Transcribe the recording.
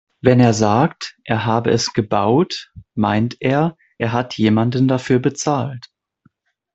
Wenn er sagt, er habe es gebaut, meint er, er hat jemanden dafür bezahlt.